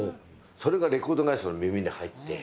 それがレコード会社の耳に入って。